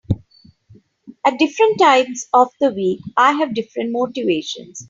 At different times of the week I have different motivations.